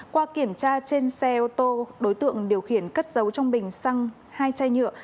qua kiểm tra trên xe ô tô đối tượng điều khiển cất giấu trong bình xăng hai chai nhựa